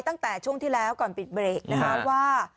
ตั้งแต่ช่วงที่แล้วก่อนปิดเบรกนะคะว่า